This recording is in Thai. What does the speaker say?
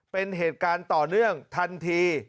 เป็นเหตุการณ์ต่อเนื่องทันที